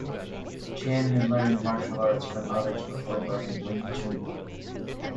Chan had learned martial arts from others before learning wing chun.